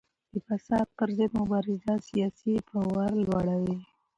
د فساد پر ضد مبارزه سیاسي باور لوړوي